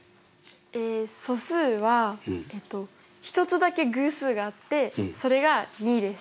え素数は一つだけ偶数があってそれが２です。